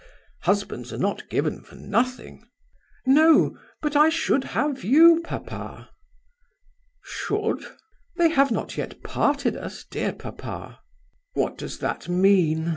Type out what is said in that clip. Husbands are not given for nothing." "No. But I should have you, papa!" "Should?" "They have not yet parted us, dear papa." "What does that mean?"